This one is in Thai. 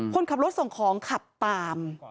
คนขับรถส่งของขับตาม